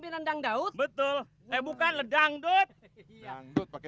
jangan pergi sama aku